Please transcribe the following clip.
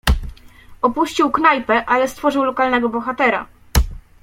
"Opuścił knajpę, ale stworzył lokalnego bohatera."